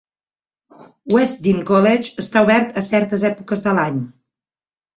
West Dean College està obert a certes èpoques de l'any.